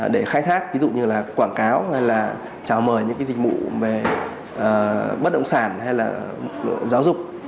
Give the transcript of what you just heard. để khai thác ví dụ như là quảng cáo hay là chào mời những dịch vụ về bất động sản hay là giáo dục